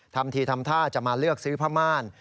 ทำทีทำท่าจะมาเลือกซื้อผ้าม่าน